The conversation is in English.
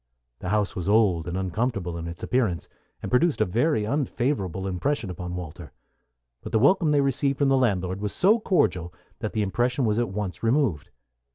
The house was old and uncomfortable in its appearance, and produced a very unfavorable impression upon Walter; but the welcome they received from the landlord was so cordial that the impression was at once removed.